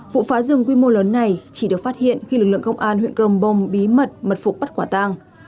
vụ phá rừng quy mô lớn này chỉ được phát hiện khi lực lượng công an huyện crongbom bí mật mật phục bắt quả tang